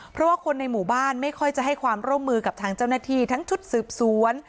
เพราะว่าคนในหมู่บ้านไม่ค่อยจะให้ความร่วมมือกับทางเจ้าหน้าที่ทั้งชุดสืบสวน